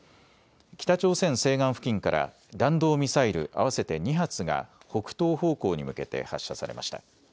北朝鮮西岸付近から弾道ミサイル合わせて２発が北東方向に向けて発射されました。